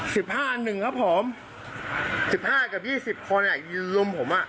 สิบห้าหนึ่งครับผมสิบห้ากับยี่สิบคนอ่ะยืนลุมผมอ่ะ